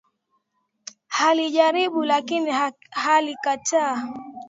Alijaribu lakini alikataa.